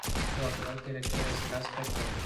Su actual director es Kasper König.